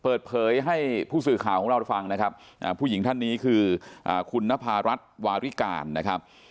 เปิดเผยให้ผู้สื่อข่าวของเราฟังนะครับผู้หญิงท่านนี้คือคุณนภารัฐวาริการนะครับ